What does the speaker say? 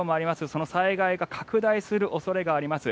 その災害が拡大する恐れがあります。